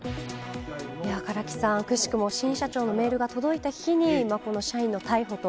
唐木さん、くしくも新社長のメールが届いた日にこの社員の逮捕と。